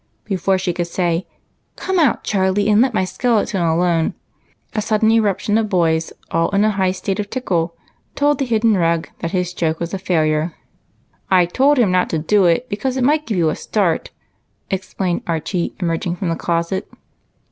Before she could say, " Come out, Charlie, and let my skeleton alone," a sudden irruj) tion of boys ail in a high state of tickle proclaimed to the hidden rogue that his joke was a failure. " I told him not to do it, because it might give you a start," explained Archie, emerging from the closet.